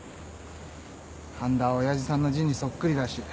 半田は親父さんの字にそっくりだし。